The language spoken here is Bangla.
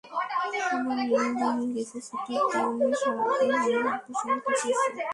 এমন দিন গেছে, ছুটির দিন সারা দিন আমরা আব্বুর সঙ্গে কাটিয়েছি।